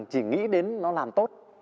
chỉ nghĩ đến nó làm tốt